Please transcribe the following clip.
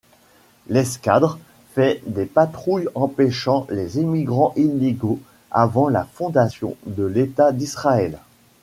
L'escadre fait des patrouilles empêchant les immigrants illégaux avant la fondation de l'État d'Israël.